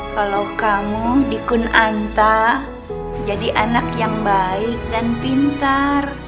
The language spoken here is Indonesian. kalau kamu di kun anta jadi anak yang baik dan pintar